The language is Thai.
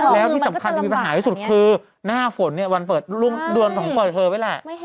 แล้วที่สำคัญที่มีปัญหาที่สุดคือหน้าฝนเนี่ยวันเดือนของเปิดเคลอร์ไปล่ะ